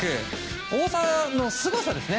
大谷のすごさですね。